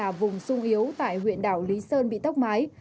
và vùng sung yếu tại huyện đảo lý sơn bị tốc mái